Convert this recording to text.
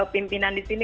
pimpinan di sini